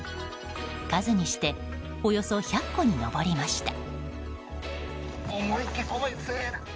数にしておよそ１００個に上りました。